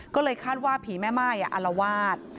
ก็เลยคาดว่าผีแม่ม่ายอารวาส